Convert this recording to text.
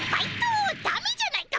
だめじゃないか！